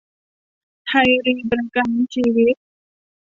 ไทยรีประกันชีวิต